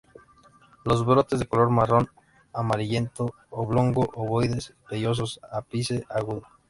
Los brotes de color marrón amarillento, oblongo-ovoides, vellosos, ápice agudo.